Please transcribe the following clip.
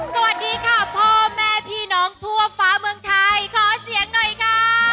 สวัสดีค่ะพ่อแม่พี่น้องทั่วฟ้าเมืองไทยขอเสียงหน่อยค่ะ